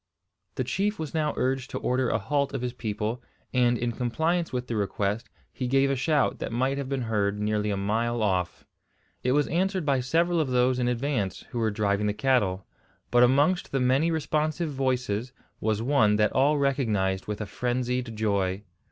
The chief was now urged to order a halt of his people; and, in compliance with the request, he gave a shout that might have been heard nearly a mile off. It was answered by several of those in advance, who were driving the cattle; but amongst the many responsive voices was one that all recognised with a frenzied joy.